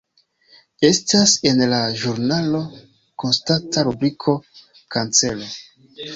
Estas en la ĵurnalo konstanta rubriko Kancero.